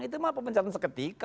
itu mah pepencatan seketika